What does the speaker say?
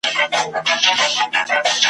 دا خيبر دی دا شمشاد دی ..